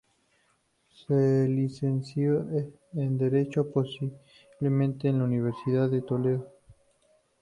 Se licenció en Derecho, posiblemente en la Universidad de Toledo.